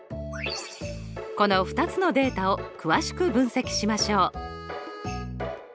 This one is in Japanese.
この２つのデータを詳しく分析しましょう！